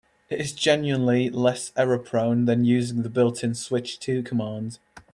It is generally less error-prone than using the built-in "switch to" command.